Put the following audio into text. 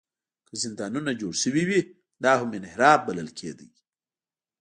که زندانونه جوړ شوي وي، دا هم انحراف بلل کېده.